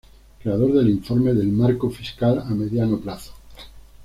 Creador del Informe del Marco Fiscal a Mediano Plazo.